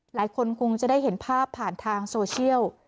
หลายคนคงจะได้เห็นภาพผ่านทางโซเชียล